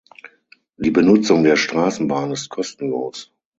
Die Benutzung der Straßenbahn ist kostenlos.